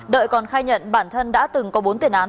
đợi còn khai nhận bản thân đã từng có bốn tiền án